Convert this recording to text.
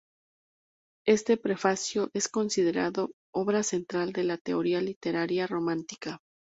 Este Prefacio es considerado obra central de la teoría literaria romántica.